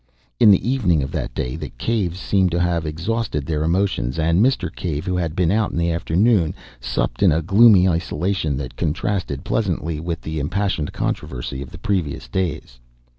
In the evening of that day, the Caves seem to have exhausted their emotions, and Mr. Cave, who had been out in the afternoon, supped in a gloomy isolation that contrasted pleasantly with the impassioned controversy of the previous days.